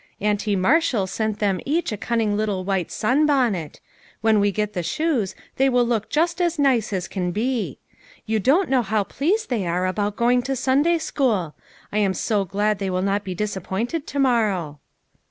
Auntie Marshall sent them each a cunning little white sun bonnet. When we get the shoes, they will look just as nice as can be. You don't know how pleased they are about going to Sunday school. I arn so glad they will not be disappointed to morrow."